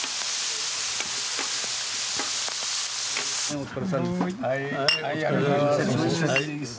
お疲れさんです。